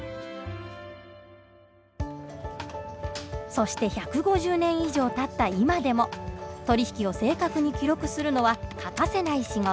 そして１５０年以上たった今でも取り引きを正確に記録するのは欠かせない仕事。